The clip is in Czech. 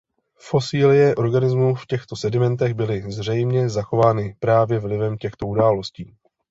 Fosilie organismů v těchto sedimentech byly zřejmě zachovány právě vlivem těchto událostí.